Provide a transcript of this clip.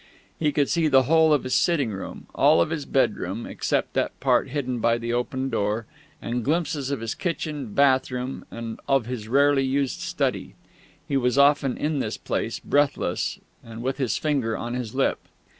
He could see the whole of his sitting room, all of his bedroom except the part hidden by the open door, and glimpses of his kitchen, bathroom, and of his rarely used study. He was often in this place, breathless and with his finger on his lip.